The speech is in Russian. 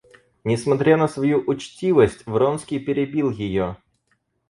Несмотря на свою учтивость, Вронский перебил ее.